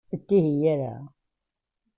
Ur ttihiy ara.